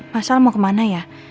masal mau kemana ya